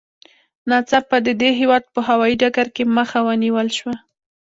ناڅاپه د دې هېواد په هوايي ډګر کې مخه ونیول شوه.